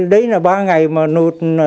đấy là ba ngày mà nụt